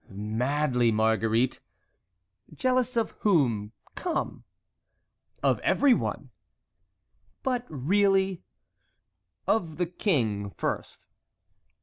"Madly, Marguerite." "Jealous of whom? Come!" "Of everyone." "But really?" "Of the king first."